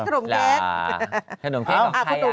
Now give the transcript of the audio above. ขนมแคร็กอ่ะข้าว